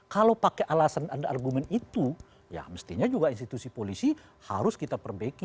kalau pakai alasan ada argumen itu ya mestinya juga institusi polisi harus kita perbaiki